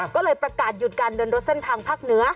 ก็เลยประกาศหยุดการเดินรถเส้นทางภาคเหนือ